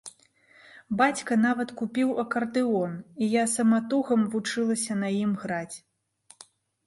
Бацька нават купіў акардэон, і я саматугам вучылася на ім граць.